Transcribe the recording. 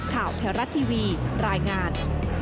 แถวรัฐทีวีรายงาน